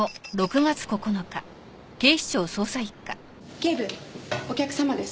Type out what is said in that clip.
警部お客様です。